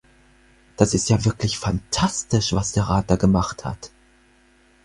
Das ist ja wirklich fantastisch, was der Rat da gemacht hat!